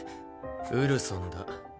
ウルソンだ。